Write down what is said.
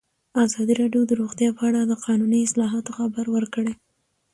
ازادي راډیو د روغتیا په اړه د قانوني اصلاحاتو خبر ورکړی.